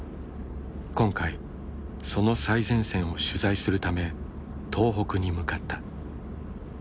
今回その最前線を取材するため東北に向かった。